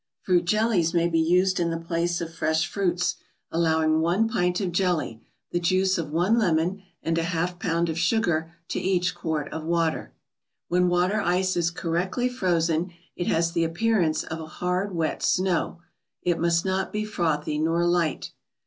Fruit jellies may be used in the place of fresh fruits, allowing one pint of jelly, the juice of one lemon and a half pound of sugar to each quart of water. When water ice is correctly frozen, it has the appearance of hard wet snow. It must not be frothy nor light.